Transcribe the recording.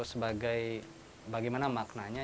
sebagai bagaimana maknanya